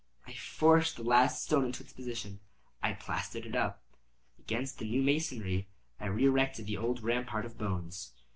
I forced the last stone into its position; I plastered it up. Against the new masonry I re erected the old rampart of bones.